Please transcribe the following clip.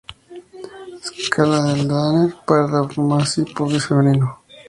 Escala de Tanner para las mamas y pubis femenino.